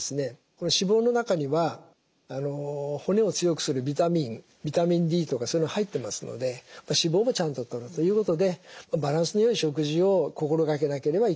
脂肪の中には骨を強くするビタミンビタミンＤとかそういうの入ってますので脂肪もちゃんととるということでバランスのよい食事を心掛けなければいけないということになりますね。